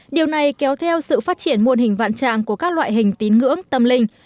điều này kéo theo sự phát triển muôn hình vạn trạng của các loại hình tín ngưỡng tâm linh